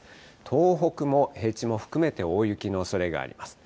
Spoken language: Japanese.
東北も平地も含めて、大雪のおそれがあります。